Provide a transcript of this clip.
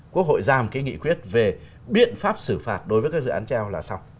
quốc hội ra một cái nghị quyết về biện pháp xử phạt đối với các dự án treo là xong